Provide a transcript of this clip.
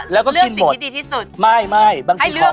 แล้วก็เลือกสิ่งที่ดีที่สุด